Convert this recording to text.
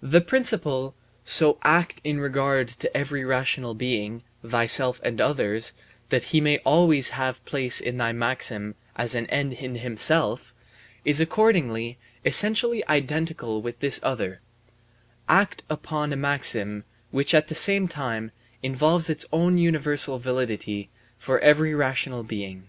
The principle: "So act in regard to every rational being (thyself and others), that he may always have place in thy maxim as an end in himself," is accordingly essentially identical with this other: "Act upon a maxim which, at the same time, involves its own universal validity for every rational being."